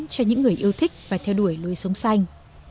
cho những người yêu thích và theo đuổi lối sống xanh